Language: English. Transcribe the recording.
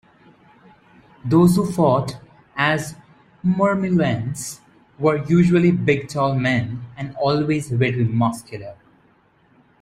Those who fought as murmillones were usually big tall men and always very muscular.